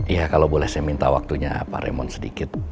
iya kalau boleh saya minta waktunya pak remond sedikit